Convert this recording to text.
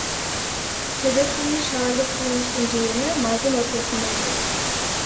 Кезектеги шаардык кеңештин жыйыны майдын ортосунда өтөт.